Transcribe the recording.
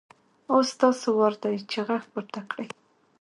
اوس ستاسو وار دی چې غږ پورته کړئ.